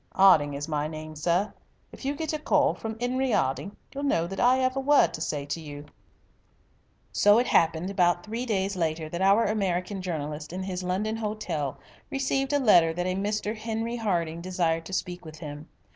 'Arding is my name, sir. If you get a call from 'Enery 'Arding, you'll know that I 'ave a word to say to you." So it happened about three days later that our American journalist in his London hotel received a letter that a Mr. Henry Harding desired to speak with him.